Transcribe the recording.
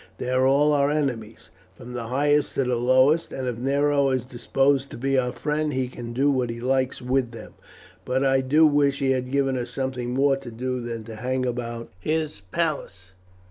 They are all our enemies, from the highest to the lowest; and if Nero is disposed to be our friend he can do what he likes with them. But I do wish he had given us something more to do than to hang about his palace."